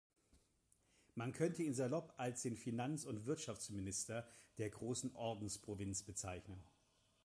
Man könnte ihn salopp als den Finanz- und Wirtschaftsminister der großen Ordensprovinz bezeichnen.